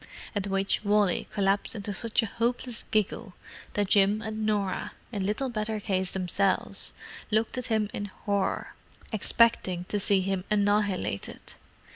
At which Wally collapsed into such a hopeless giggle that Jim and Norah, in little better case themselves, looked at him in horror, expecting to see him annihilated.